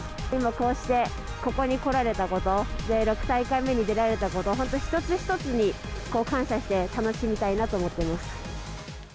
今、こうしてここに来られたこと、６大会目に出られたこと、本当一つ一つに感謝して、楽しみたいなと思っています。